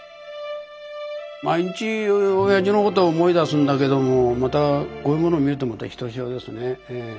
毎日おやじのことを思い出すんだけどもまたこういうものを見るとひとしおですね。